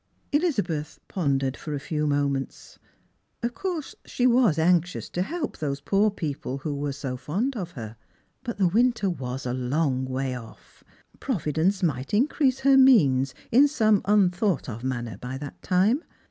Elizabeth pondered for a few moments. Of course she was anxious to help those poor people who were so fond of her ; but the winter was a long way off. Providence might increase lier means in some unthougM of manner by that time.